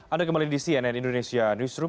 anda kembali di cnn indonesia newsroom